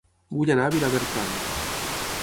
Vull anar a Vilabertran